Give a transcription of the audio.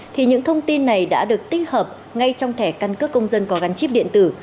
thì những thông tin này đã được tích hợp ngay trong thẻ căn cước công dân có gắn chip điện tử